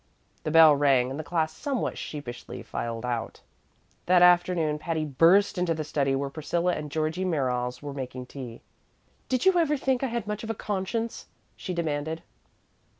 The bell rang, and the class somewhat sheepishly filed out. That afternoon Patty burst into the study where Priscilla and Georgie Merriles were making tea. "Did you ever think I had much of a conscience?" she demanded.